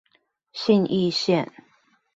信義線